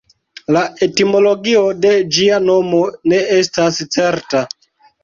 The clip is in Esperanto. La etimologio de ĝia nomo ne estas certa.